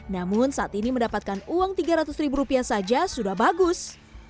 namun saat ini mendapatkan uang tiga ratus ribu rupiah saja sudah bagus